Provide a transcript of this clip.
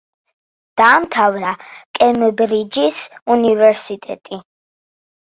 დაამთავრა კემბრიჯის უნივერსიტეტი.